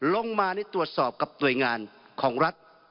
ลงมาตรวจสอบกับหน่วยงานของรัฐ